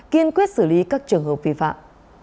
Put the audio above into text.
kiên quyết xử lý các trường hợp vi phạm